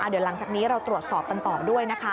เดี๋ยวหลังจากนี้เราตรวจสอบกันต่อด้วยนะคะ